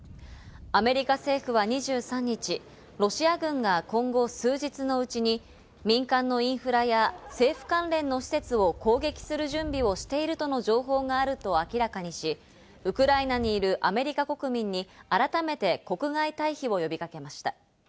アメリカ政府は２３日、ロシア軍が今後、数日のうちに民間のインフラや政府関連の施設を攻撃する準備をしているとの情報があると明らかにし、ウクライナにいるアメリカ国民に改めて国外退避を呼びかけました。